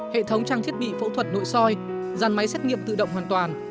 hệ thống trang thiết bị phẫu thuật nội soi dàn máy xét nghiệm tự động hoàn toàn